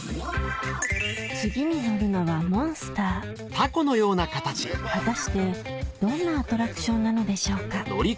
次に乗るのは果たしてどんなアトラクションなのでしょうか